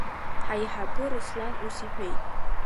Ҳаиҳабы Руслан ус иҳәеит…